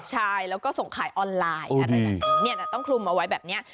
ใช่แล้วก็ส่งขายออนไลน์อะไรแบบนี้เนี่ยแต่ต้องคลุมเอาไว้แบบนี้